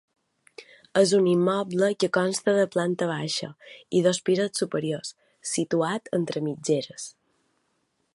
És un immoble que consta de planta baixa i dos pisos superiors, situat entre mitgeres.